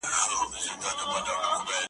تل خو به حسین لره یزید کربلا نه نیسي `